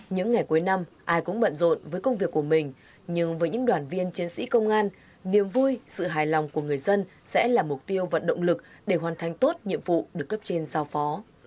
những ngày cuối năm ai cũng bận rộn với công việc của mình nhưng với những đoàn viên chiến sĩ công an niềm vui sự hài lòng của người dân sẽ là mục tiêu vận động lực để hoàn thành tốt nhiệm vụ được cấp trên giao phó